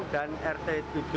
enam dan rt tujuh